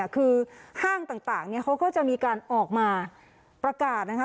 คือห้างต่างเขาก็จะมีการออกมาประกาศนะคะ